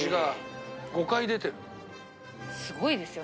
すごいですよね。